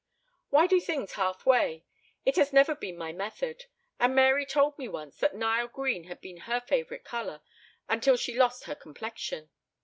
"Why do things halfway? It has never been my method. And Mary told me once that Nile green had been her favorite color until she lost her complexion.